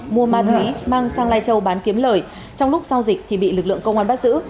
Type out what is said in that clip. mua ma túy mang sang lai châu bán kiếm lời trong lúc giao dịch thì bị lực lượng công an bắt giữ